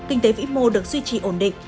kinh tế vĩ mô được duy trì ổn định